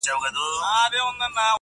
پر غزل مي دي جاګیر جوړ کړ ته نه وې،